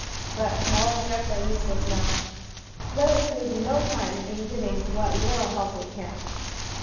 But all regrets are useless now. Let us lose no time in giving what little help we can."